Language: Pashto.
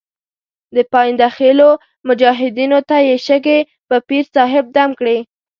د پاینده خېلو مجاهدینو ته یې شګې په پیر صاحب دم کړې.